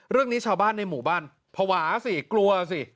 เรื่องนี้ชาวบ้านในหมู่บ้านภาวะสิกลัวสิ